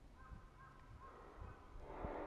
Ha sido declarado Patrono Nacional de la Cirugía.